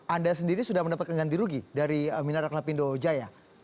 anda sendiri sudah mendapat keganti rugi dari minara klapindo jaya